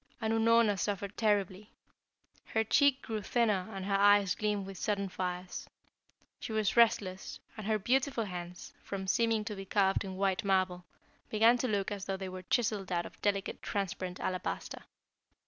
And Unorna suffered terribly. Her cheek grew thinner and her eyes gleamed with sudden fires. She was restless, and her beautiful hands, from seeming to be carved in white marble, began to look as though they were chiselled out of delicate transparent alabaster.